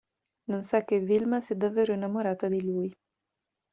Non sa che Vilma si è davvero innamorata di lui.